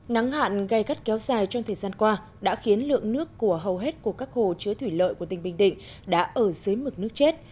nắng hạn gây gắt kéo dài trong thời gian qua đã khiến lượng nước của hầu hết của các hồ chứa thủy lợi của tỉnh bình định đã ở dưới mực nước chết